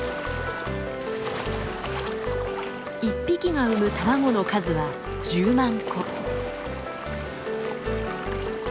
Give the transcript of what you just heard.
１匹が産む卵の数は１０万個。